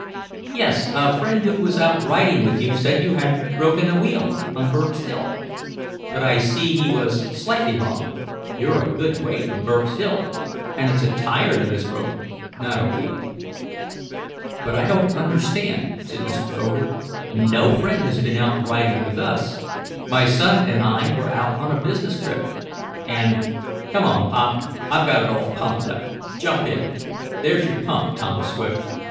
"Yes, a friend who was out riding with you said you had broken a wheel on Berk's hill. But I see he was slightly wrong. You're a good way from Berk's hill, and it's a tire that is broken, not a wheel." "But I don't understand," said Mr. Foger. "No friend has been out riding with us. My son and I were out on a business trip, and " "Come on, pop. I've got it all pumped up. Jump in. There's your pump, Tom Swift.